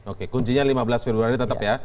oke kuncinya lima belas februari tetap ya